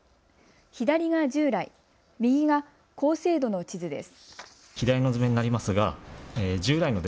左が従来、右が高精度の地図です。